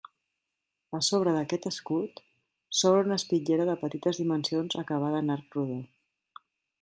A sobre d'aquest escut, s'obre una espitllera de petites dimensions acabada en arc rodó.